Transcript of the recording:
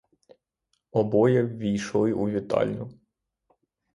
Обоє ввійшли у вітальню.